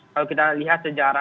kalau kita lihat sejarah